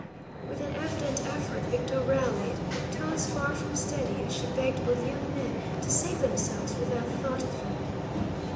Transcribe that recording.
With an evident effort Victo rallied, tones far from steady as she begged both young men to save themselves without thought of them.